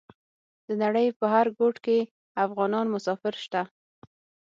د نړۍ په هر ګوټ کې افغانان مسافر شته.